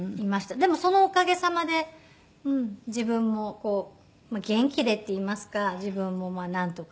でもそのおかげさまで自分も元気でっていいますか自分もなんとか。